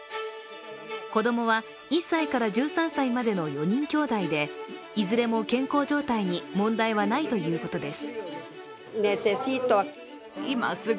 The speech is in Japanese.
子供は１歳から１３歳までの４人きょうだいでいずれも健康状態に問題はないということです。